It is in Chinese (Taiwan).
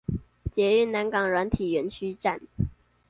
捷運南港軟體園區站